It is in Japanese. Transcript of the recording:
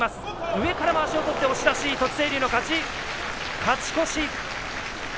上からまわしを取って押し出し、栃清龍の勝ち。